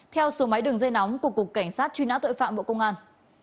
theo số máy đường dây nóng của cục cảnh sát truy nã tội phạm bộ công an